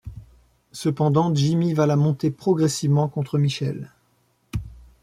Cependant, Jimmy va la monter progressivement contre Michel.